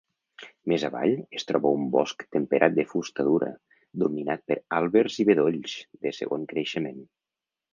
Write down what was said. Més avall, es troba un bosc temperat de fusta dura, dominat per àlbers i bedolls de segon creixement.